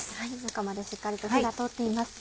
中までしっかりと火が通っています。